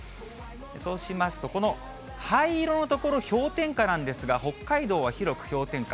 そうしますと、この灰色の所、氷点下なんですが、北海道は広く氷点下。